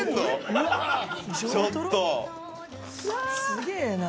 すげえなぁ。